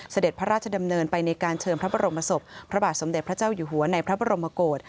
เสด็จพระราชดำเนินไปในการเชิญพระบรมศพพระบาทสมเด็จพระเจ้าอยู่หัวในพระบรมโกศ